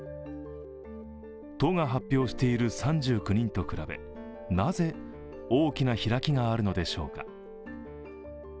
都が発表している３９人と比べ、なぜ大きな開きがあるのでしょうか。